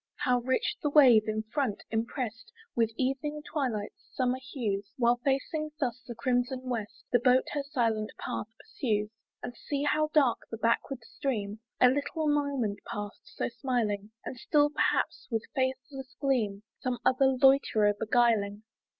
How rich the wave, in front, imprest With evening twilight's summer hues, While, facing thus the crimson west, The boat her silent path pursues! And see how dark the backward stream! A little moment past, so smiling! And still, perhaps, with faithless gleam, Some other loiterer beguiling.